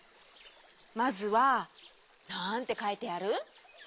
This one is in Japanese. まずはなんてかいてある？